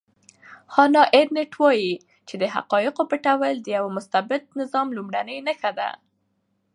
هانا ارنټ وایي چې د حقایقو پټول د یو مستبد نظام لومړنۍ نښه ده.